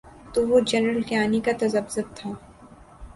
تو وہ جنرل کیانی کا تذبذب تھا۔